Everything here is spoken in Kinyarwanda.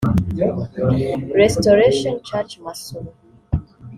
Resitoration Church Masoro